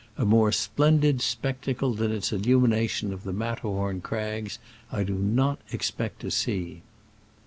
A more splendid spectacle than its illumination of the Matterhorn crags I do not expect to see.